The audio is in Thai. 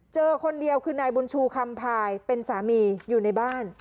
เจอคนเดียวคือนายบุญชูคำพายเป็นสามีอยู่ในบ้าน